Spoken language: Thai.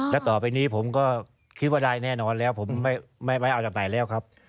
แล้วต่อไปนี้ผมก็คิดว่าได้แน่นอนแล้วผมไม่เอาจากไหนแล้วครับ